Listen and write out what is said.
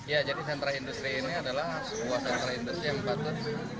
ya jadi sentra industri ini adalah sebuah sentra industri yang patut